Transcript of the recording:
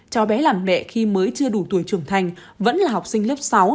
cháu bé làm mẹ khi mới chưa đủ tuổi trưởng thành vẫn là học sinh lớp sáu